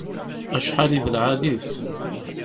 Acḥal i d lɛali-t!